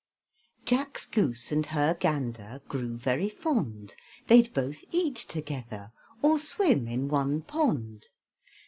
Jack's goose and her gander Grew very fond; They'd both eat together, Or swim in one pond.